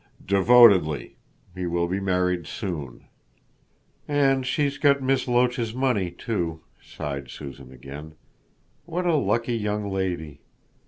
"Devotedly. He will be married soon." "And she's got Miss Loach's money too," sighed Susan again, "what a lucky young lady.